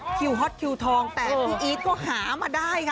ฮอตคิวทองแต่พี่อีทก็หามาได้ค่ะ